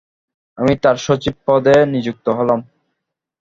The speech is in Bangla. আমি তার সচিব পদে নিযুক্ত হলাম।